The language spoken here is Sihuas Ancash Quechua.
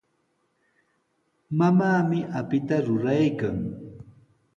Mamaami apita ruraykan.